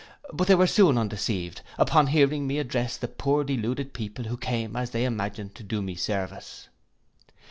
But they were soon undeceived, upon hearing me address the poor deluded people, who came, as they imagined, to do me service.